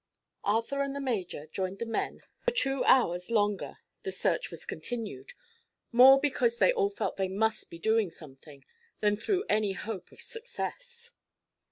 Arthur and the major joined the men and for two hours longer the search was continued—more because they all felt they must be doing something, than through any hope of success.